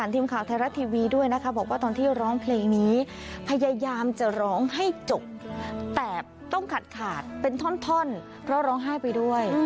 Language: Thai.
ทีมข่าวไทยรัฐทีวีด้วยนะคะบอกว่าตอนที่ร้องเพลงนี้พยายามจะร้องให้จบแต่ต้องขาดขาดเป็นท่อนเพราะร้องไห้ไปด้วย